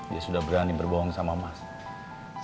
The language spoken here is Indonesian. dia sudah berani berbohong sama mas